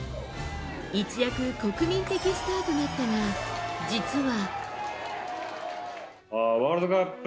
一躍、国民的スターとなったが実は。